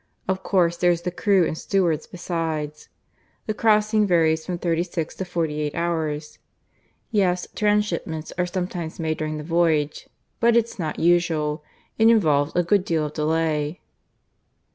Of course there's the crew and stewards besides. The crossing varies from thirty six to forty eight hours. ... Yes, transhipments are sometimes made during the voyage; but it's not usual. It involves a good deal of delay."